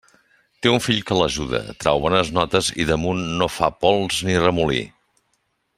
Té un fill que l'ajuda, trau bones notes, i damunt «no fa pols ni remolí».